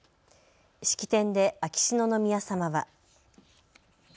式典で秋篠宮さまは。